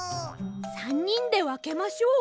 ３にんでわけましょう。